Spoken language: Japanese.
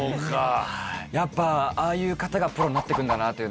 やっぱああいう方がプロになって行くんだなぁと。